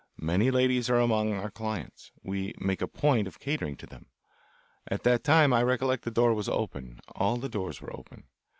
Many ladies are among our clients. We make a point of catering to them. At that time I recollect the door was open all the doors were open.